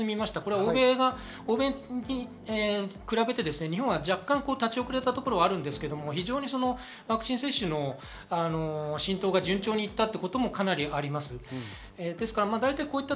欧米に比べて日本は若干、立ち遅れたところはあるんですが、ワクチン接種の浸透が順調にいったこともかなりあります。